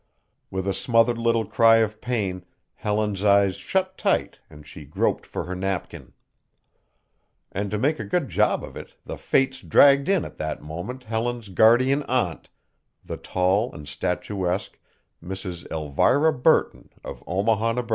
With a smothered little cry of pain Helen's eyes shut tight and she groped for her napkin. And to make a good job of it the Fates dragged in at that moment Helen's guardian aunt, the tall and statuesque Mrs. Elvira Burton of Omaha, Neb.